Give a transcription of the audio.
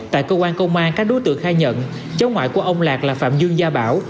tại cơ quan công an các đối tượng khai nhận cháu ngoại của ông lạc là phạm dương gia bảo